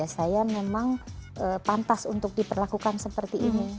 saya memang pantas untuk diperlakukan seperti ini